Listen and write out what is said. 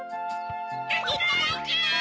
いただきます！